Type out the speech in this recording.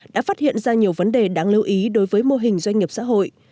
đã phát hiện ra nhiều vấn đề đáng lưu ý đối với mô hình doanh nghiệp xã hội